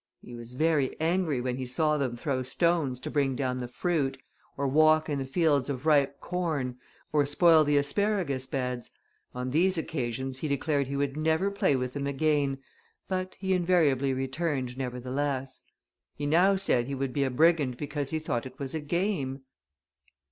He was very angry when he saw them throw stones to bring down the fruit, or walk in the fields of ripe corn, or spoil the asparagus beds: on these occasions, he declared he would never play with them again, but he invariably returned, nevertheless. He now said he would be a brigand because he thought it was a game.